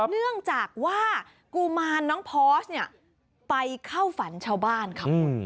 เนื่องจากว่ากุมารน้องพอร์ชไปเข้าฝันชาวบ้าน